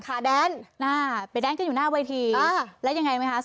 ค่าแดน